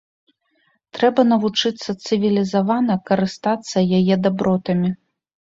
Трэба навучыцца цывілізавана карыстацца яе дабротамі.